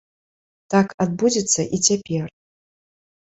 Так адбудзецца і цяпер.